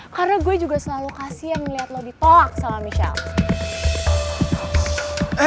karena gue juga selalu kasi yang liat lo ditolak sama michelle